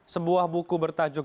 sebuah buku bertajuknya